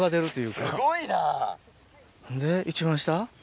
んで一番下？